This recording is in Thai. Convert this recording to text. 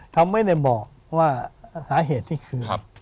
เขาไม่ได้บอกว่าสาเหตุที่คือ